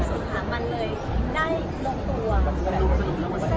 สุดท้ายมันเลยได้รวมตัวสรุป๕ธุลาค่ะ